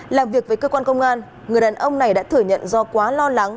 làm việc với cơ quan công an người đàn ông này đã thừa nhận do quá lo lắng